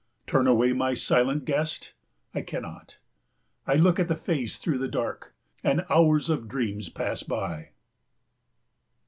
Turn away my silent guest I cannot. I look at the face through the dark, and hours of dreams pass by.